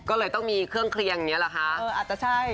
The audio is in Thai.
ก็เลยต้องมีเครื่องเคลียงอย่างนี้หรอคะอาจจะใช่